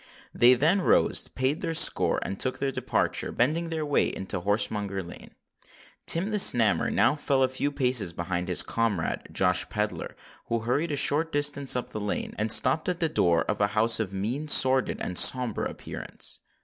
They then rose, paid their score, and took their departure,—bending their way into Horsemonger Lane. Tim the Snammer now fell a few paces behind his comrade, Josh Pedler, who hurried a short distance up the lane, and stopped at the door of a house of mean, sordid, and sombre appearance.